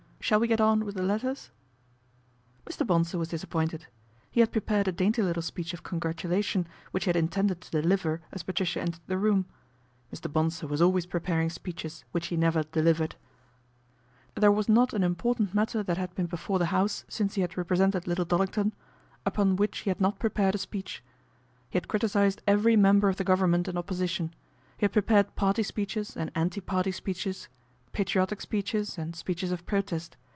Shall we get on with the letters ?" Mr. Bonsor was disappointed. He had pre pared a dainty little speech of congratulation, which he had intended to deliver as Patricia entered the room. Mr. Bonsor was always pre paring speeches which he never delivered. There A BOMBSHELL 161 was not an important matter that had been before the House since he had represented Little Dolling ton upon which he had not prepared a speech. He had criticised every member of the Government and Opposition He had prepared party speeches and anti party speeches, patriotic speeches and speeches of protest.